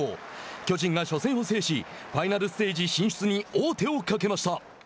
巨人が初戦を制しファイナルステージ進出に王手をかけました。